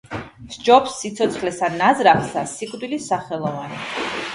სჯობს სიცოცხლესა ნაზრახსა, სიკვდილი სახელოვანი!